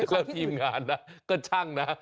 แล้วทีมงานนะก็ช่างนะ